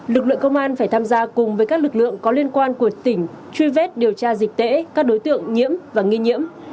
lực lượng công an phải tham gia cùng với các lực lượng có liên quan của tỉnh truy vết điều tra dịch tễ các đối tượng nhiễm và nghi nhiễm